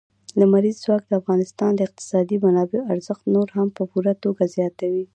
لمریز ځواک د افغانستان د اقتصادي منابعم ارزښت نور هم په پوره توګه زیاتوي.